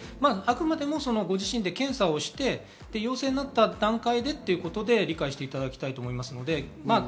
あくまでもご自身で検査をして、陽性になった段階でということで理解していただきたいと思います。